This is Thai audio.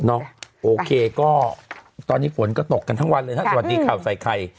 โอเคก็ตอนนี้ฝนก็ตกกันทั้งวันเลยนะสวัสดีข่าวใส่ไข่